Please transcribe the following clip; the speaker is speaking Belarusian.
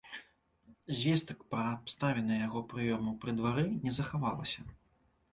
Звестак пра абставіны яго прыёму пры двары не захавалася.